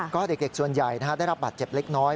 ก็เด็กส่วนใหญ่ได้รับบาดเจ็บเล็กน้อย